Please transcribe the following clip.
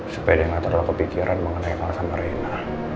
supaya dia gak terlalu kepikiran mengenai kalsam arena